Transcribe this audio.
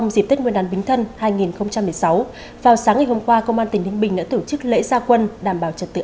giúp người dân việt nam